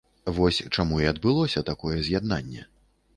Вось чаму і адбылося такое з’яднанне.